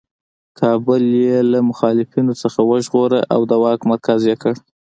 کابل یې له مخالفینو څخه وژغوره او د واک مرکز یې کړ.